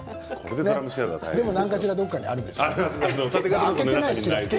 でも何かしらどこかにあるんだよね。